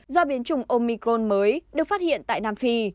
do biến chủng omicron mới được phát hiện tại nam phi